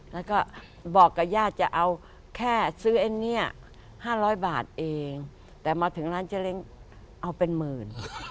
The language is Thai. แล้วก็บอกกับญาติจะเอาแค่ซื้อไอ้เนี่ย๕๐๐บาทเองแต่มาถึงร้านเจ๊เล้งเอาเป็นหมื่น